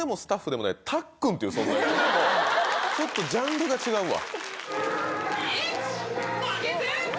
ちょっとジャンルが違うわ。